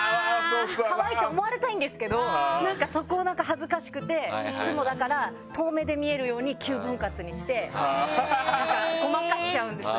可愛いと思われたいんですけど恥ずかしくていつも遠目で見えるように９分割にしてごまかしちゃう。